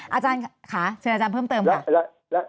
อาจารย์ค่ะเชิญอาจารย์เพิ่มเติมค่ะ